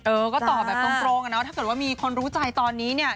เออก็ตอบแบบตรงอ่ะเนาะถ้าเกิดว่ามีคนรู้ใจตอนนี้เนี่ย